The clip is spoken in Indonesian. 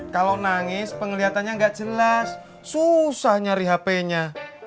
kalau nangis pengeliatannya gak jelas susah nyari hpnya